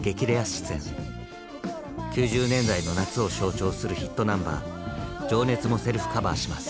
９０年代の夏を象徴するヒットナンバー「情熱」もセルフカバーします。